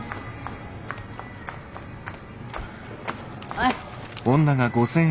はい。